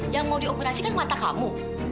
yang mau dioperasikan mata kamu